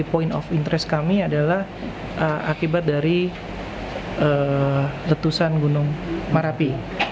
jadi poin of interest kami adalah akibat dari letusan gunung marapi